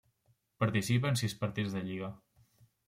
Participa en sis partits de lliga.